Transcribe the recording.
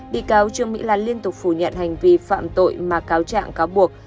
bị cáo trương mỹ lan liên tục phủ nhận hành vi phạm tội mà cáo trạng cáo buộc